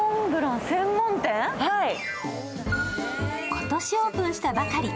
今年オープンしたばかり。